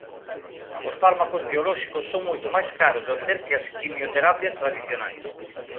Os fármacos biolóxicos son moito máis caros de obter que as quimioterapias tradicionais.